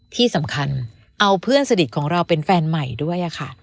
ที่สำคัญเอาเพื่อนสนิทของเราเป็นแฟนใหม่ด้วยค่ะ